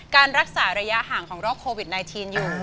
การรักษาระยาหังของร่องโควิด๑๙อยู่